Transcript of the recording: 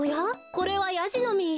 これはヤジの実。